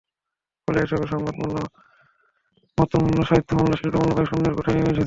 ফলে এসবের সংবাদমূল্য, মতমূল্য, সাহিত্যমূল্য, শিল্পমূল্য প্রায় শূন্যের কোঠায় নেমে এসেছে।